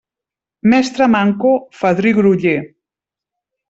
Mestre manco, fadrí groller.